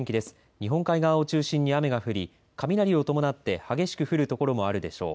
日本海側を中心に雨が降り雷を伴って激しく降る所もあるでしょう。